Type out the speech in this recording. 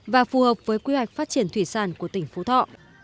và phù hợp với quy hoạch phát triển thủy sản của tỉnh phú thọ